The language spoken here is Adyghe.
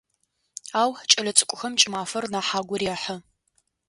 Ау кӏэлэцӏыкӏухэм кӏымафэр нахь агу рехьы.